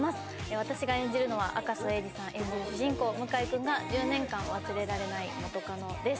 私が演じるのは、赤楚えいじさん演じる主人公、向井くんが１０年間忘れられない元カノです。